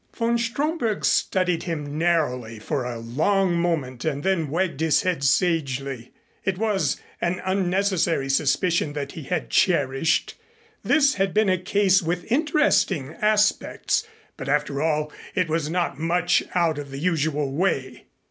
Von Stromberg studied him narrowly for a long moment and then wagged his head sagely. It was an unnecessary suspicion that he had cherished. This had been a case with interesting aspects, but after all it was not much out of the usual way.